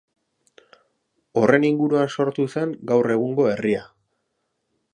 Horren inguruan sortu zen gaur egungo herria.